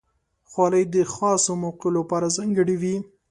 خولۍ د خاصو موقعو لپاره ځانګړې وي.